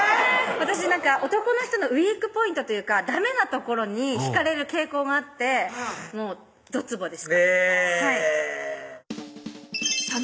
私男の人のウイークポイントというかダメなところにひかれる傾向があってもうどつぼでした